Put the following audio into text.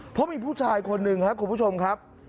เพราะมีผู้ชายคนหนึ่งครับคุณผู้ชมครับ